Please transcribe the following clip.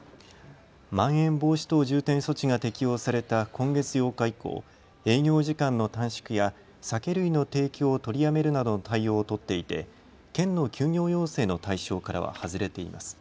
まん延防止等重点措置が適用された今月８日以降、営業時間の短縮や酒類の提供を取りやめるなどの対応を取っていて県の休業要請の対象からは外れています。